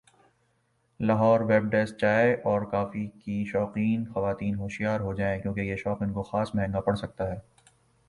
Lahore web desk چائے اور coffee کی شوقین خواتین ہوشیار ہوجائیں کیونکہ یہ شوق ان کو خاص مہنگا پڑ سکتا ہے